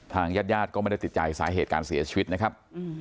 ญาติญาติก็ไม่ได้ติดใจสาเหตุการเสียชีวิตนะครับ